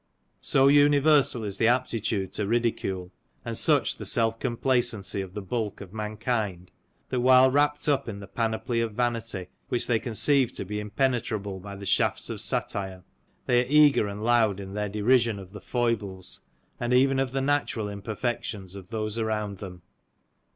So universal is the aptitude to ridicule, and such the self complacency of the bulk of mankind, that while wrapt up in the panoply of vanity, which they conceive to be impenetrable by the shafts of satire, they are eager and loud in their derision of the foibles, and even of the natural imperfections of those around them.